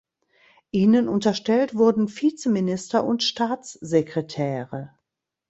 Ihnen unterstellt wurden Vizeminister und Staatssekretäre.